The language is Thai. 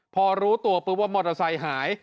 พอรู้ตัวปุ๊บว่ามอเตอร์ไซค์หาย